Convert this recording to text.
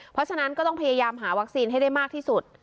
เพราะฉะนั้นก็ต้องพยายามหาวัคซีนให้ได้มากที่สุด